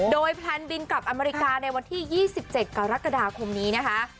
โดยแพลนบินกับอเมริกาในวันที่๒๗กรกฎาคมนี้นะคะ